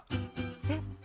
えっ？